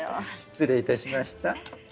失礼いたしました。